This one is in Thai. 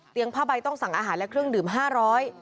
เตียงผ้าใบต้องสั่งอาหารและเครื่องดื่มห้าร้อย